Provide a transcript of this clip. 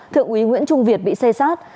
thượng úy nguyễn trung việt bị xây xát